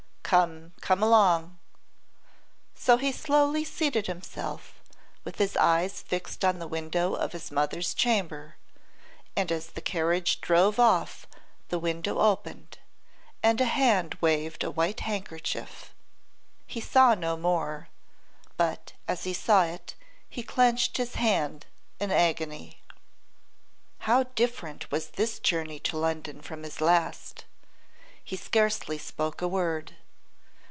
Come, come along.' So he slowly seated himself, with his eyes fixed on the window of his mother's chamber; and as the carriage drove off the window opened, and a hand waved a white handkerchief. He saw no more; but as he saw it he clenched his hand in agony. How different was this journey to London from his last! He scarcely spoke a word.